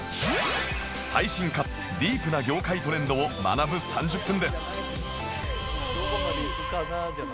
最新かつディープな業界トレンドを学ぶ３０分です